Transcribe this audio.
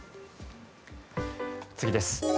次です。